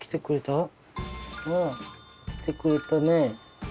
わぁ来てくれたね。